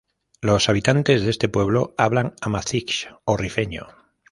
Los habitantes de este pueblo hablan amazigh o rifeño.